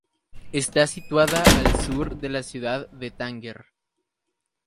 Está situada al sur de la ciudad de Tánger.